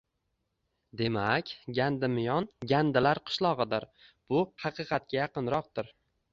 Demak, Gandimiyon “Gandilar qishlog‘i”dir. Bu haqiqatga yaqinroqdir.